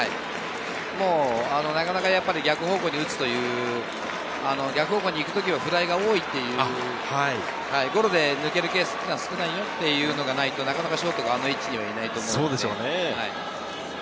なかなか逆方向に打つという、逆方向に行く時はフライが多いという、ゴロで抜けるケースが少ないというデータがないとショートはあの位置にはいないと思います。